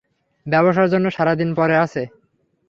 ব্যবসার জন্য সারা দিন পরে আছে।